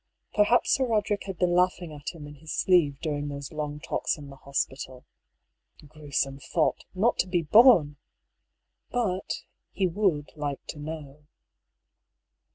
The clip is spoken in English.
Per haps Sir Roderick had been laughing at him in hid sleeve during those long talks in the hospital. Grue some thought, not to be borne I But he would like to know.